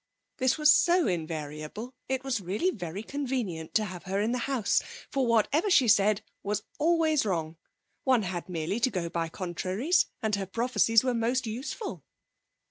This was so invariable it was really very convenient to have her in the house, for whatever she said was always wrong. One had merely to go by contraries and her prophecies were most useful.